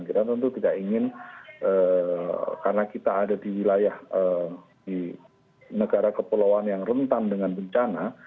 kita tentu tidak ingin karena kita ada di wilayah negara kepulauan yang rentan dengan bencana